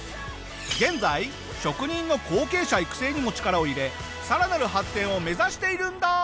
現在職人の後継者育成にも力を入れさらなる発展を目指しているんだ！